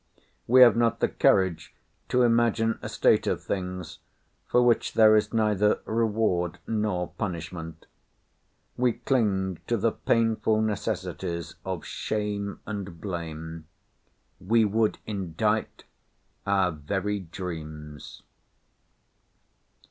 We have not the courage to imagine a state of things for which there is neither reward nor punishment. We cling to the painful necessities of shame and blame. We would indict our very dreams.